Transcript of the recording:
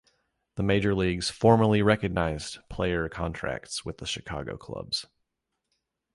The major leagues formally recognized player contracts with the Chicago clubs.